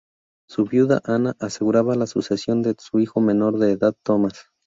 Su viuda Ana aseguraba la sucesión de su hijo menor de edad Tomás.